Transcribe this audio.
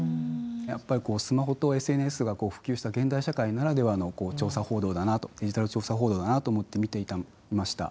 やっぱりこうスマホとＳＮＳが普及した現代社会ならではの調査報道だなとデジタル調査報道だなと思って見ていました。